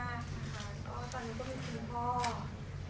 เพราะตอนนี้ก็เป็นพี่พ่อแล้วก็พี่ชายของเขานะคะ